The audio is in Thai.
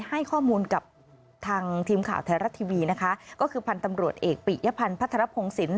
ให้ข้อมูลกับทางทีมข่าวไทยรัฐทีวีนะคะก็คือพันธ์ตำรวจเอกปิยพันธ์พัทรพงศิลป